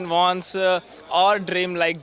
bukan semua orang ingin seperti ini